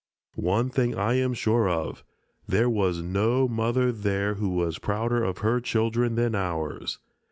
One thing I am sure of, there was no mother there who was prouder of her children than ours.